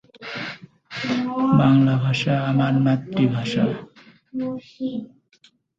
শওকত আলী চট্টগ্রামে প্রতিরোধ পর্বে অষ্টম ইস্ট বেঙ্গল রেজিমেন্টের একাংশের সঙ্গে প্রত্যক্ষ যুদ্ধ করেন।